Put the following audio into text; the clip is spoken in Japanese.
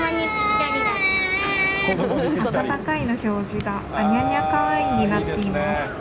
あたたかいの表示があにゃにゃかーいになっています。